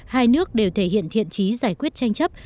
hai nước đều thể hiện thiện trí giải quyết tranh chấp